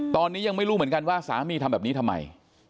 ตอนนี้ยังไม่รู้เหมือนกันว่าสามีทำแบบนี้ทำไม